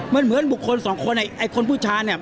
มันเหมือนบุคคลสองคนไอ้คนผู้ชายเนี่ย